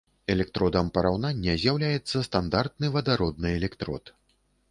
Электродам параўнання з'яўляецца стандартны вадародны электрод.